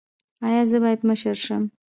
ایا زه باید مشر شم؟